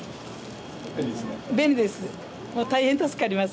便利ですね。